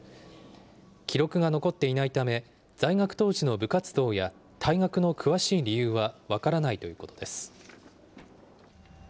記録が残っていないため、在学当時の部活動や退学の詳しい理由は分からないということです。